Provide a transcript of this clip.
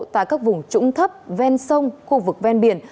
tại các vùng trũng thấp ven sông khu vực ven biển